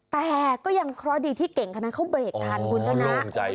แต่ก็ยังเคราะห์ดีที่เก่งคนนั้นเขาเบรกทันคุณชนะ